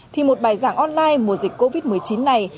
thì một bài giảng online mùa dịch covid một mươi chín này